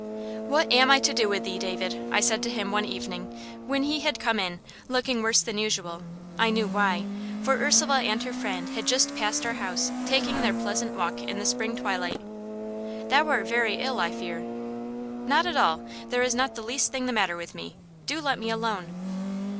"What am I to do with thee, David?" said I to him one evening, when he had come in, looking worse than usual I knew why; for Ursula and her friend had just passed our house taking their pleasant walk in the spring twilight. "Thou art very ill, I fear?" "Not at all. There is not the least thing the matter with me. Do let me alone."